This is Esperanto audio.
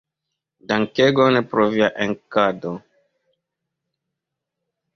Dankegon pro via enketado.